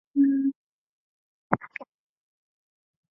给予这个怪物如此神力的大梵天本人也无力收服它。